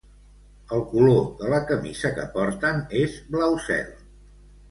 El color de la camisa que porten és blau cel.